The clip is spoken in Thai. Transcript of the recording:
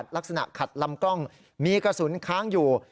ลักษณะขัดลำกล้องมีกระสุนค้างอยู่